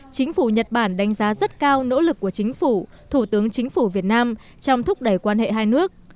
chính phủ nhật bản đánh giá rất cao nỗ lực của chính phủ thủ tướng chính phủ việt nam trong thúc đẩy quan hệ hai nước